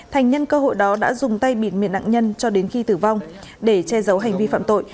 thành nhân cơ hội đó đã dùng tay bịt miệng nặng nhân cho đến khi tử vong để che giấu hành vi phạm tội